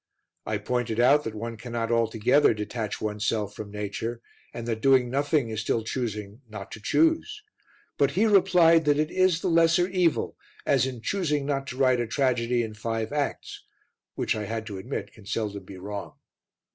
I pointed out that one cannot altogether detach oneself from nature and that doing nothing is still choosing not to choose, but he replied that it is the lesser evil, as in choosing not to write a tragedy in five acts, which I had to admit can seldom be wrong.